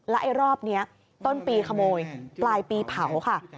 ไอ้รอบนี้ต้นปีขโมยปลายปีเผาค่ะ